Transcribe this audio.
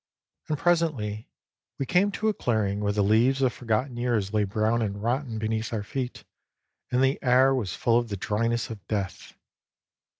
And presently we came to a clearing where the leaves of forgotten years lay brown and rotten beneath our feet, and the air was full of :he dryness of death.